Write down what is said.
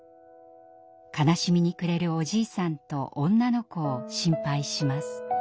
悲しみに暮れるおじいさんと女の子を心配します。